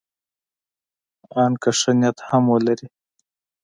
ان که ښه نیت هم ولري.